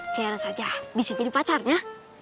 ceras aja bisa jadi pacarnya